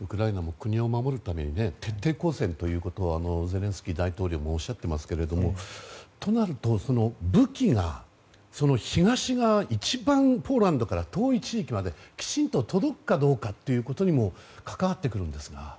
ウクライナも国を守るために徹底抗戦ということはゼレンスキー大統領もおっしゃっていますけどもとなると、武器が東側一番ポーランドから遠い地域まできちんと届くかどうかということにも関わってくるんですか？